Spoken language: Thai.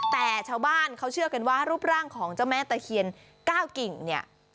แต่ชาวบ้านเขาเชื่อกันว่ารูปร่างของเจ้าแม่ตะเคียน๙กิ่งเนี่ย